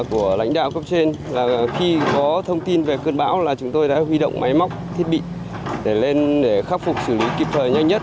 của lãnh đạo cấp trên là khi có thông tin về cơn bão là chúng tôi đã huy động máy móc thiết bị để lên để khắc phục xử lý kịp thời nhanh nhất